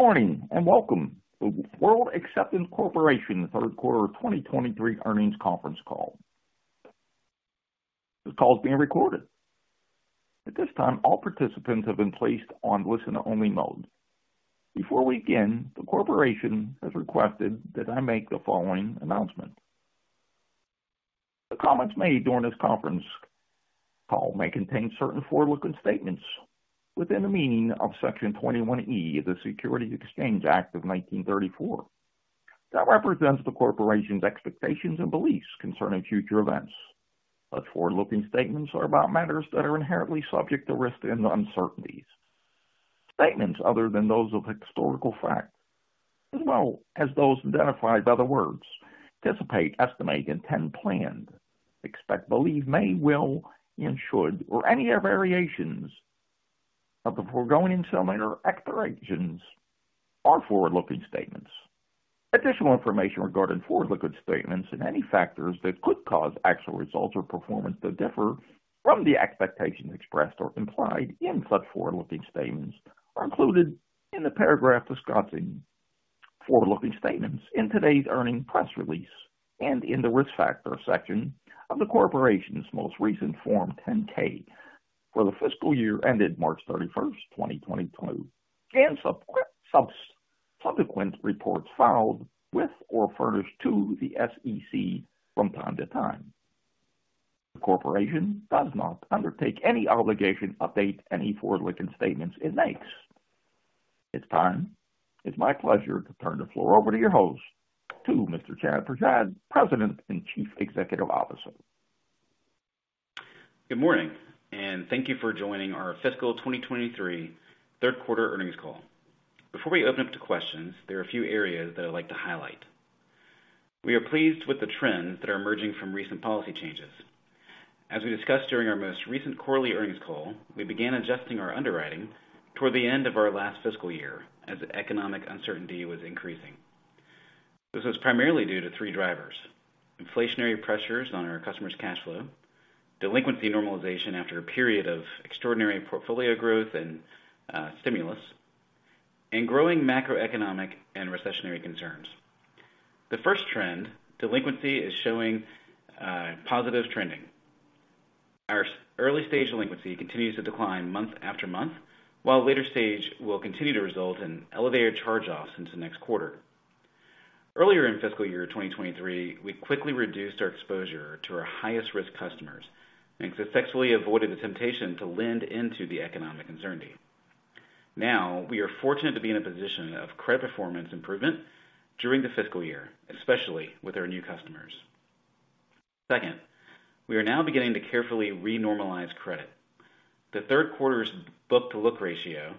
Good morning, and welcome to World Acceptance Corporation third quarter 2023 earnings conference call. This call is being recorded. At this time, all participants have been placed on listen-only mode. Before we begin, the corporation has requested that I make the following announcement. The comments made during this conference call may contain certain forward-looking statements within the meaning of Section 21E of the Securities Exchange Act of 1934 that represents the corporation's expectations and beliefs concerning future events. Such forward-looking statements are about matters that are inherently subject to risks and uncertainties. Statements other than those of historical fact, as well as those identified by the words anticipate, estimate intend plan, expect, believe, may, will, and should, or any variations of the foregoing similar exaggerations are forward-looking statements. Additional information regarding forward-looking statements and any factors that could cause actual results or performance to differ from the expectations expressed or implied in such forward-looking statements are included in the paragraph discussing forward-looking statements in today's earning press release and in the Risk Factors section of the corporation's most recent Form 10-K for the fiscal year ended 31 March 2022, and subsequent reports filed with or furnished to the SEC from time to time. The corporation does not undertake any obligation to update any forward-looking statements it makes. At this time, it's my pleasure to turn the floor over to your host, to Mr. Chad Prashad, President and Chief Executive Officer. Good morning, and thank you for joining our fiscal 2023 third quarter earnings call. Before we open up to questions, there are a few areas that I'd like to highlight. We are pleased with the trends that are emerging from recent policy changes. As we discussed during our most recent quarterly earnings call, we began adjusting our underwriting toward the end of our last fiscal year as economic uncertainty was increasing. This was primarily due to three drivers: inflationary pressures on our customers' cash flow, delinquency normalization after a period of extraordinary portfolio growth and stimulus, and growing macroeconomic and recessionary concerns. The first trend, delinquency, is showing positive trending. Our early-stage delinquency continues to decline month after month, while later stage will continue to result in elevated charge-offs into next quarter. Earlier in fiscal year 2023, we quickly reduced our exposure to our highest-risk customers and successfully avoided the temptation to lend into the economic uncertainty. We are fortunate to be in a position of credit performance improvement during the fiscal year, especially with our new customers. Second, we are now beginning to carefully re-normalize credit. The third quarter's book-to-look ratio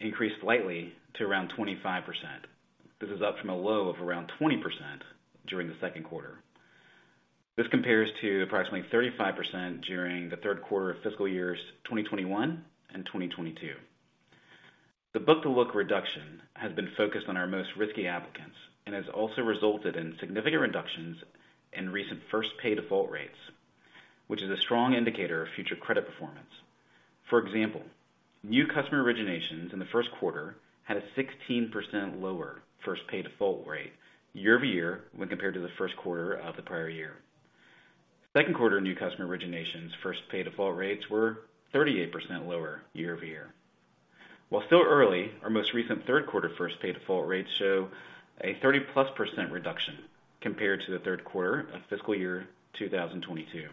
increased slightly to around 25%. This is up from a low of around 20% during the second quarter. This compares to approximately 35% during the third quarter of fiscal years 2021 and 2022. The book-to-look reduction has been focused on our most risky applicants and has also resulted in significant reductions in recent first pay default rates, which is a strong indicator of future credit performance. For example, new customer originations in the first quarter had a 16% lower first pay default rate year-over-year when compared to the first quarter of the prior year. Second quarter new customer originations first pay default rates were 38% lower year-over-year. While still early, our most recent third quarter first pay default rates show a 30+% reduction compared to the third quarter of fiscal year 2022.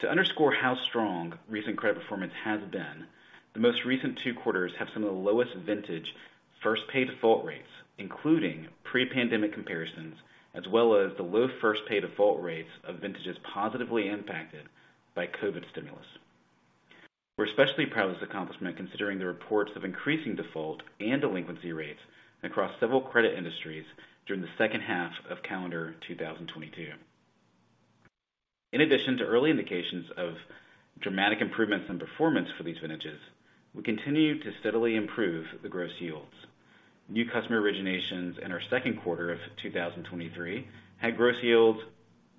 To underscore how strong recent credit performance has been, the most recent two quarters have some of the lowest vintage first pay default rates, including pre-pandemic comparisons, as well as the low first pay default rates of vintages positively impacted by COVID stimulus. We're especially proud of this accomplishment considering the reports of increasing default and delinquency rates across several credit industries during the second half of calendar 2022. In addition to early indications of dramatic improvements in performance for these vintages, we continue to steadily improve the gross yields. New customer originations in our second quarter of 2023 had gross yields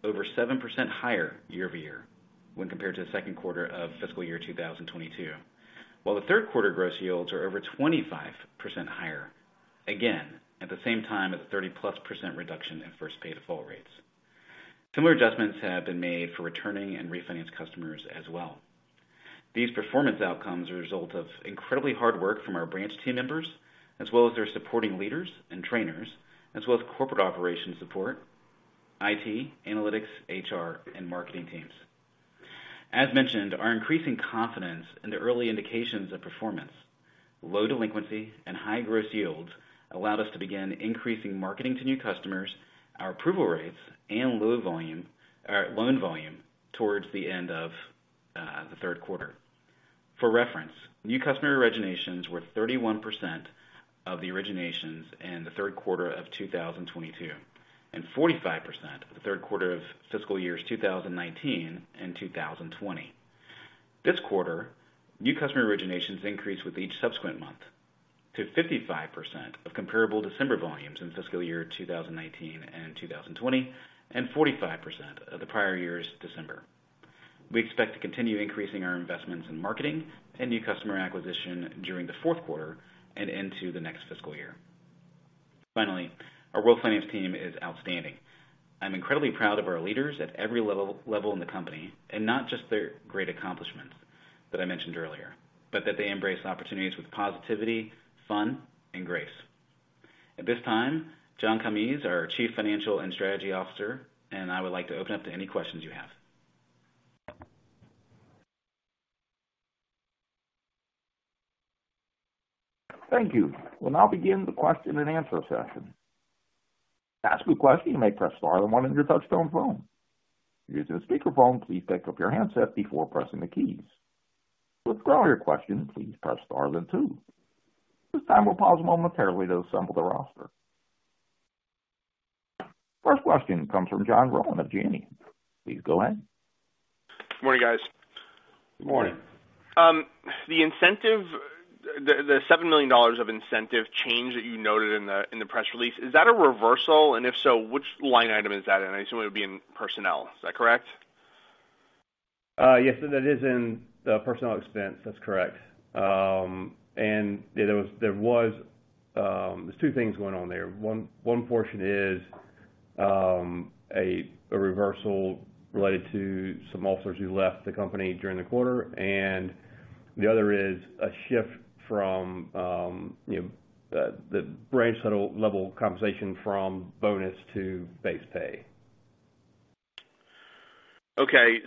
over 7% higher year-over-year when compared to the second quarter of fiscal year 2022. The third quarter gross yields are over 25% higher, again at the same time as a 30+% reduction in first pay default rates. Similar adjustments have been made for returning and refinance customers as well. These performance outcomes are a result of incredibly hard work from our branch team members, as well as their supporting leaders and trainers, as well as corporate operations support, IT, analytics, HR, and marketing teams. As mentioned, our increasing confidence in the early indications of performance, low delinquency, and high gross yields allowed us to begin increasing marketing to new customers, our approval rates and loan volume towards the end of the third quarter. For reference, new customer originations were 31% of the originations in the third quarter of 2022 and 45% of the third quarter of fiscal years 2019 and 2020. This quarter, new customer originations increased with each subsequent month to 55% of comparable December volumes in fiscal year 2019 and 2020, and 45% of the prior year's December. We expect to continue increasing our investments in marketing and new customer acquisition during the fourth quarter and into the next fiscal year. Finally, our World Finance team is outstanding. I'm incredibly proud of our leaders at every level in the company, and not just their great accomplishments that I mentioned earlier, but that they embrace opportunities with positivity, fun, and grace. At this time, John L. Calmes, Jr., our Chief Financial and Strategy Officer, and I would like to open up to any questions you have. Thank you. We'll now begin the question and answer session. To ask a question, you may press star at the one on your touch-tone phone. If you're using a speakerphone, please pick up your handset before pressing the keys. To withdraw your question, please press star then two. At this time, we'll pause momentarily to assemble the roster. First question comes from John Rowan of Janney. Please go ahead. Good morning, guys. Good morning. The incentive, the $7 million of incentive change that you noted in the press release, is that a reversal? If so, which line item is that in? I assume it would be in personnel. Is that correct? Yes, that is in the personnel expense. That's correct. There's two things going on there. One portion is a reversal related to some officers who left the company during the quarter, and the other is a shift from, the branch level compensation from bonus to base pay. Okay.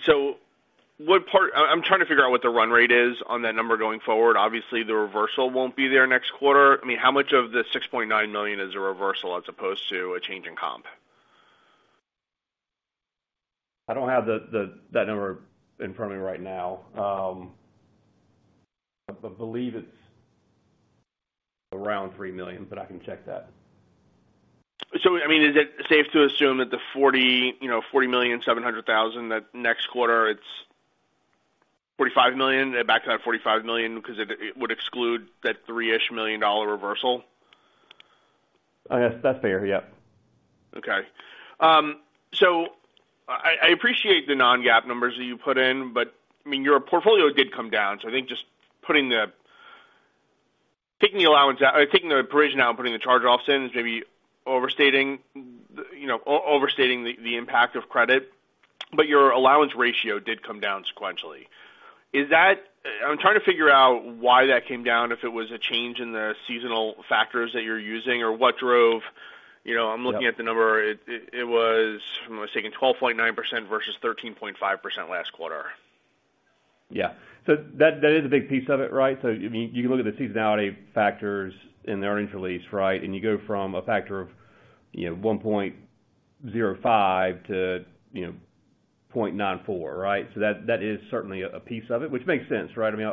What part. I'm trying to figure out what the run rate is on that number going forward. Obviously, the reversal won't be there next quarter. I mean, how much of the $6.9 million is a reversal as opposed to a change in comp? I don't have that number in front of me right now. but believe it's around $3 million, but I can check that. I mean, is it safe to assume that $40.7 million, that next quarter it's $45 million, back to that $45 million because it would exclude that $3-ish million reversal? Yes, that's fair. Yep. Okay. I appreciate the non-GAAP numbers that you put in, but, I mean, your portfolio did come down. I think just taking the allowance out or taking the provision out and putting the charge-offs in is maybe overstating, overstating the impact of credit. Your allowance ratio did come down sequentially. I'm trying to figure out why that came down, if it was a change in the seasonal factors that you're using or what drove,, I'm looking at the number? It, it was, if I'm not mistaken, 12.9% versus 13.5% last quarter. Yeah. That is a big piece of it, right? I mean, you can look at the seasonality factors in the earnings release, right? You go from a factor of, 1.05 to, you know, 0.94, right? That is certainly a piece of it, which makes sense, right? I mean,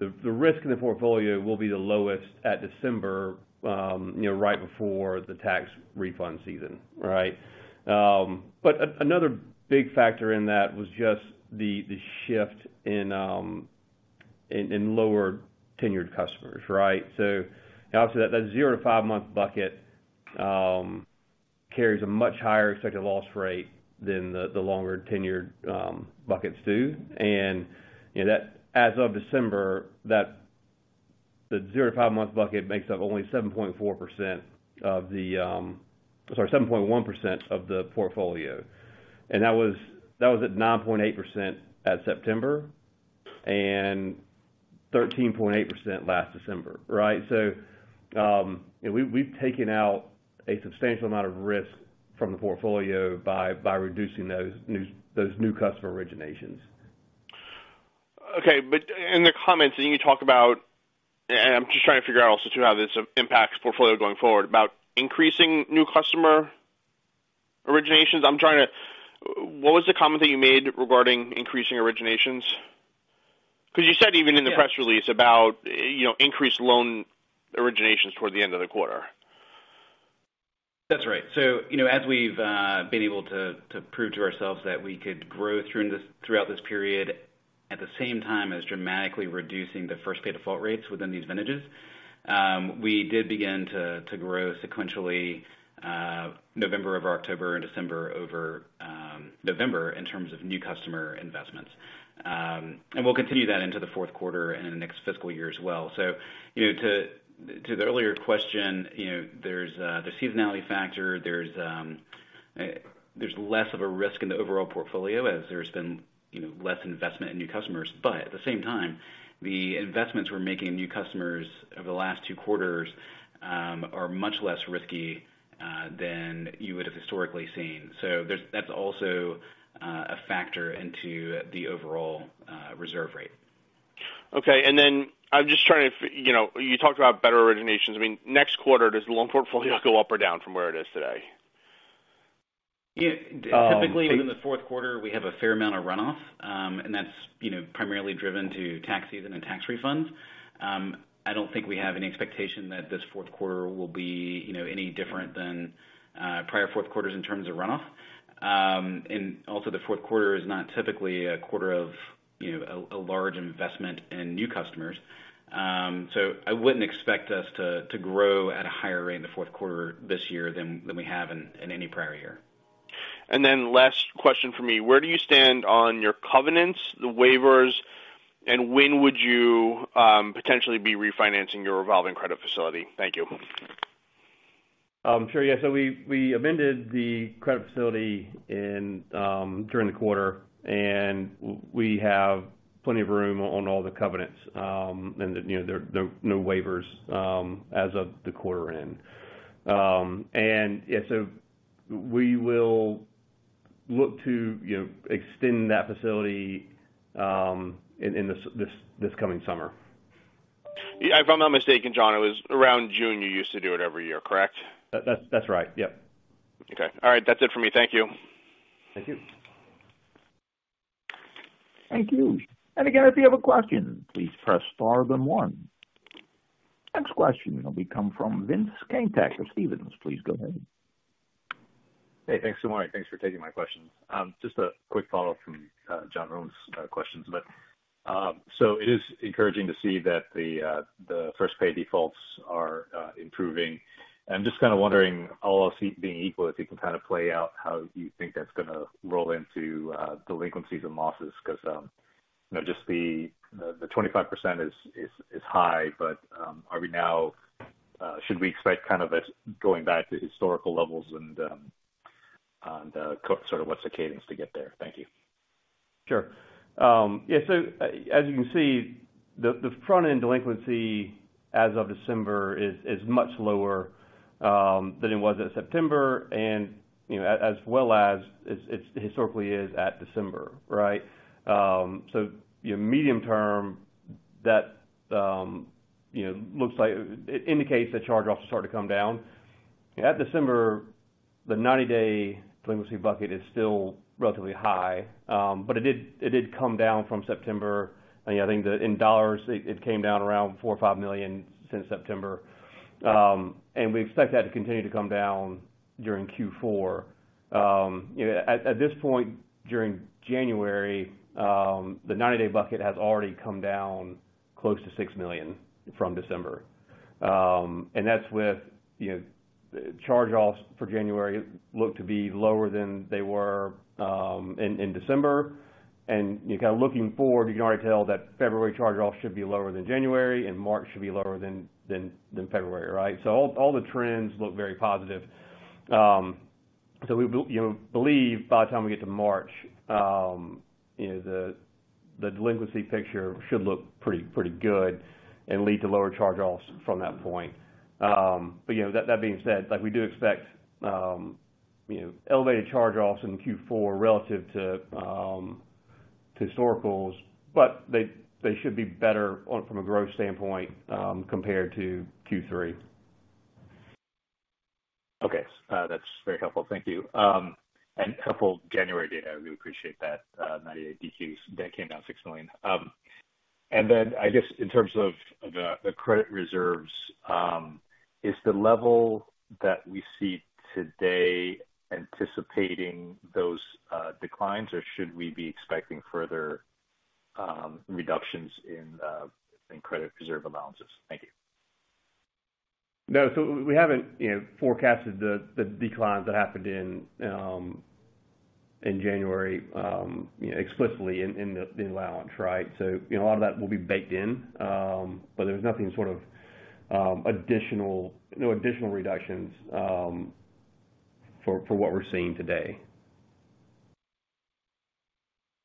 the risk in the portfolio will be the lowest at December, right before the tax refund season, right? Another big factor in that was just the shift in lower tenured customers, right? Obviously, that zero-five-month bucket carries a much higher expected loss rate than the longer tenured buckets do. You know, that as of December, the zero to five-month bucket makes up only 7.4% of the, sorry, 7.1% of the portfolio. That was at 9.8% at September and 13.8% last December, right? We've taken out a substantial amount of risk from the portfolio by reducing those new customer originations. Okay. In the comments, you talk about, and I'm just trying to figure out also too how this impacts portfolio going forward, about increasing new customer originations. I'm trying to. What was the comment that you made regarding increasing originations? Because you said even in the press release about,, increased loan originations toward the end of the quarter. That's right. You know, as we've been able to prove to ourselves that we could grow throughout this period at the same time as dramatically reducing the first pay default rates within these vintages, we did begin to grow sequentially, November over October and December over November in terms of new customer investments. We'll continue that into the fourth quarter and in the next fiscal year as well. You know, to the earlier question, there's the seasonality factor, there's less of a risk in the overall portfolio as there's been, less investment in new customers. At the same time, the investments we're making in new customers over the last two quarters are much less risky than you would have historically seen. That's also a factor into the overall reserve rate. Okay. Then I'm just trying to you talked about better originations. I mean, next quarter, does the loan portfolio go up or down from where it is today? Yeah. Typically, in the fourth quarter, we have a fair amount of runoff, that's, primarily driven to tax season and tax refunds. I don't think we have any expectation that this fourth quarter will be, any different than prior fourth quarters in terms of runoff. Also the fourth quarter is not typically a quarter. You know, a large investment in new customers. I wouldn't expect us to grow at a higher rate in the fourth quarter this year than we have in any prior year. Last question from me. Where do you stand on your covenants, the waivers, and when would you potentially be refinancing your revolving credit facility? Thank you. Sure. Yeah. We, we amended the credit facility in, during the quarter, and we have plenty of room on all the covenants. You know, there are no waivers, as of the quarter end. Yeah, so we will look to, extend that facility, in this coming summer. Yeah, if I'm not mistaken, John, it was around June, you used to do it every year, correct? That's right. Yep. Okay. All right, that's it for me. Thank you. Thank you. Thank you. Again, if you have a question, please press star then one. Next question will be come from Vince Caintic, Stephens. Please go ahead. Hey, thanks so much. Thanks for taking my question. Just a quick follow-up from John Rowan's questions. It is encouraging to see that the first pay defaults are improving. I'm just kind of wondering, all else being equal, if you can kind of play out how you think that's gonna roll into delinquencies and losses. You know, just the 25% is high but are we now should we expect kind of it going back to historical levels and the sort of what's the cadence to get there? Thank you. Sure. Yeah. As you can see, the front-end delinquency as of December is much lower than it was at September and, as well as it historically is at December, right. Your medium term that, looks like it indicates that charge-offs start to come down. At December, the 90-day delinquency bucket is still relatively high, but it did come down from September. I think in dollars, it came down around $4 million-$5 million since September. We expect that to continue to come down during Q4. You know, at this point during January, the 90-day bucket has already come down close to $6 million from December. That's with, charge-offs for January look to be lower than they were in December. You know, kind of looking forward, you can already tell that February charge-offs should be lower than January and March should be lower than February, right? All the trends look very positive. We you know, believe by the time we get to March, the delinquency picture should look pretty good and lead to lower charge-offs from that point. You know, that being said, like we do expect, you know, elevated charge-offs in Q4 relative to historical, but they should be better from a growth standpoint, compared to Q3. Okay. That's very helpful. Thank you. Helpful January data. We appreciate that. ninety-day DQs that came down $6 million. I guess in terms of the credit reserves, is the level that we see today anticipating those declines, or should we be expecting further reductions in credit reserve allowances? Thank you. No. We haven't, forecasted the declines that happened in January, explicitly in the allowance, right? You know, a lot of that will be baked in, but there's nothing sort of additional, no additional reductions, for what we're seeing today.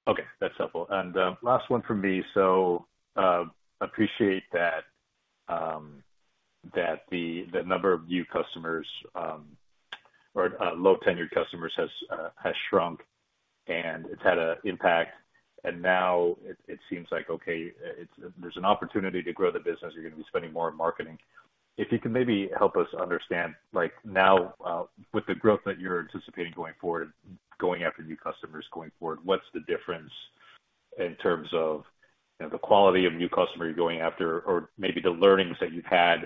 Okay. That's helpful. Last one from me. Appreciate that the number of new customers, or low-tenured customers has shrunk and it's had a impact. Now it seems like, okay, there's an opportunity to grow the business. You're gonna be spending more on marketing. If you can maybe help us understand, like now, with the growth that you're anticipating going forward, going after new customers going forward, what's the difference in terms of, the quality of new customer you're going after or maybe the learnings that you've had,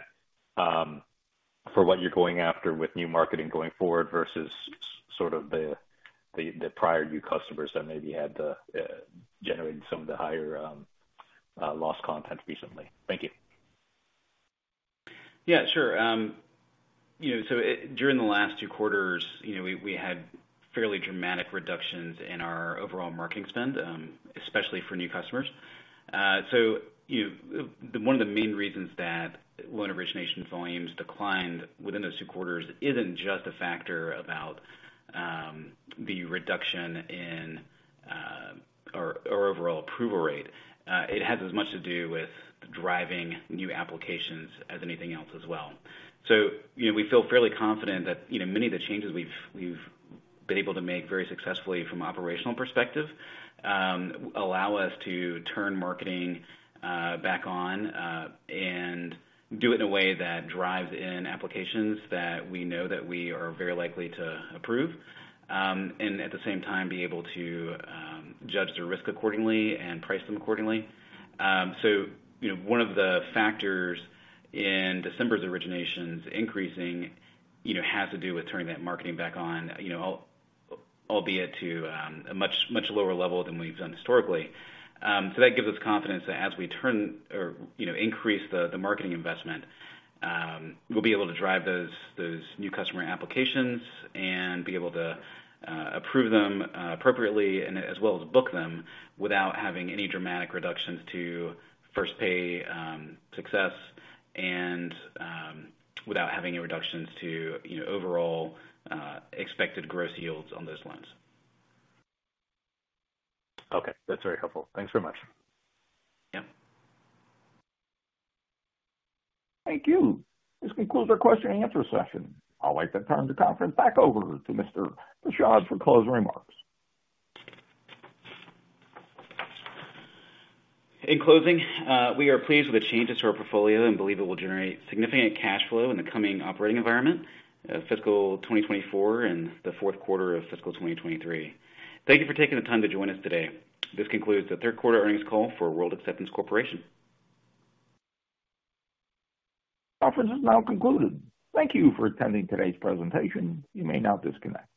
for what you're going after with new marketing going forward versus sort of the prior new customers that maybe had the generated some of the higher loss content recently. Thank you. Yeah, sure. You know, during the last two quarters we had fairly dramatic reductions in our overall marketing spend, especially for new customers. You know, one of the main reasons that loan origination volumes declined within those two quarters isn't just a factor about the reduction in or overall approval rate. It has as much to do with driving new applications as anything else as well. You know, we feel fairly confident that, many of the changes we've been able to make very successfully from operational perspective, allow us to turn marketing back on and do it in a way that drives in applications that we know that we are very likely to approve. At the same time be able to judge the risk accordingly and price them accordingly. You know, one of the factors in December's originations increasing, you know, has to do with turning that marketing back on, albeit to a much, much lower level than we've done historically. That gives us confidence that as we turn or, increase the marketing investment, we'll be able to drive those new customer applications and be able to approve them appropriately and as well as book them without having any dramatic reductions to first pay success and without having any reductions to overall expected gross yields on those loans. Okay. That's very helpful. Thanks very much. Yep. Thank you. This concludes our question and answer session. I'll like to turn the conference back over to Mr. Prashad for closing remarks. In closing, we are pleased with the changes to our portfolio and believe it will generate significant cash flow in the coming operating environment, fiscal 2024 and the fourth quarter of fiscal 2023. Thank you for taking the time to join us today. This concludes the third quarter earnings call for World Acceptance Corporation. Conference is now concluded. Thank you for attending today's presentation. You may now disconnect.